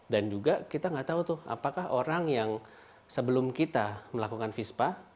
dan juga kita nggak tahu tuh apakah orang yang sebelum kita melakukan vyspa